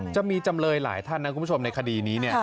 จำเลยหลายท่านนะคุณผู้ชมในคดีนี้